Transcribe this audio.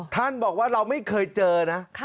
ท่านบอกว่าเราไม่เคยเจอนะ